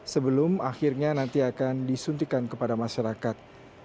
sebelum akhirnya nanti akan disuntikan kepada masyarakat